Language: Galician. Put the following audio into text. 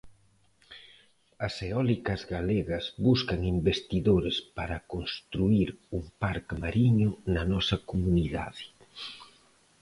As eólicas galegas buscan investidores para construír un parque mariño na nosa comunidade.